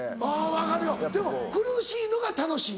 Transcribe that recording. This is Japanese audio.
分かるよでも苦しいのが楽しいのやろ？